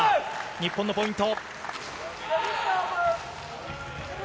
日本のポイント。